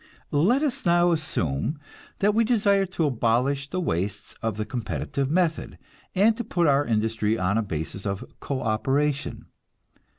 Let us now assume that we desire to abolish the wastes of the competitive method, and to put our industry on a basis of co operation.